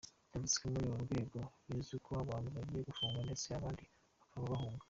Yavuze ko muri uru rwego bizwi ko abantu bagiye bafungu ndetse abandi bakaba bahunga.